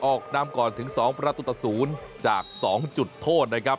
ออกดำก่อนถึง๒ประตุศูนย์จาก๒จุดโทษนะครับ